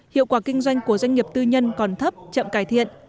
hiệu quả kinh doanh của doanh nghiệp tư nhân còn thấp chậm cải thiện